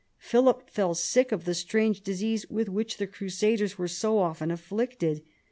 Philip fell sick of the strange disease with which the crusaders were so often afflicted.